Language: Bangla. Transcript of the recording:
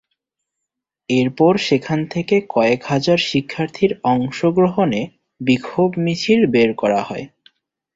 এরপর সেখান থেকে কয়েক হাজার শিক্ষার্থীর অংশগ্রহণে বিক্ষোভ মিছিল বের করা হয়।